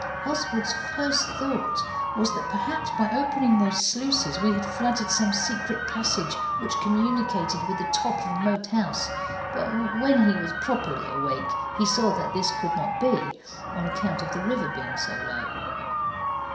Oswald's first thoughts was that perhaps by opening those sluices we had flooded some secret passage which communicated with the top of Moat House, but when he was properly awake he saw that this could not be, on account of the river being so low.